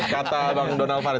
kata bang donald fahri